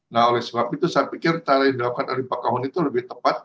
nah oleh sebab itu saya pikir tarian yang didapat dari bakaun itu lebih tepat